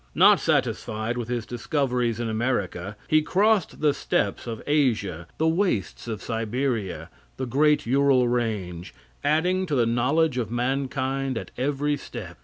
Not satisfied with his discoveries in America, he crossed the steppes of Asia, the wastes of Siberia, the great Ural range, adding to the knowledge of mankind at every step.